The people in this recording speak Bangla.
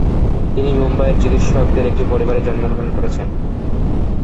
তিনি মুম্বইয়ের চিকিৎসকদের একটি পরিবারে জন্মগ্রহণ করেছেন।